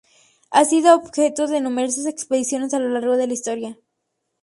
Ha sido objeto de numerosas expediciones a lo largo de la historia.